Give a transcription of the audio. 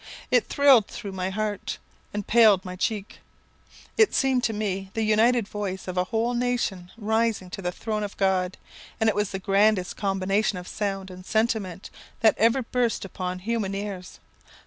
It thrilled through my heart, and paled my cheek. It seemed to me the united voice of a whole nation rising to the throne of God, and it was the grandest combination of sound and sentiment that ever burst upon human ears.